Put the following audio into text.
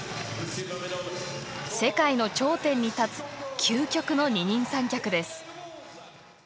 世界の頂点に立つ究極の二人三脚です。